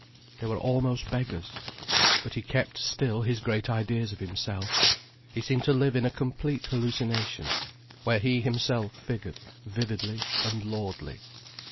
They were almost beggars. But he kept still his great ideas of himself, he seemed to live in a complete hallucination, where he himself figured vivid and lordly.